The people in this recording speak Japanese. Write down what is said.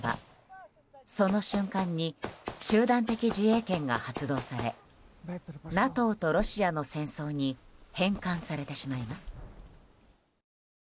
ＮＡＴＯに加盟すればその瞬間に集団的自衛権が発動されＮＡＴＯとロシアの戦争に変換されてしまいます。